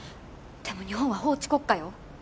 でも日本は法治国家よ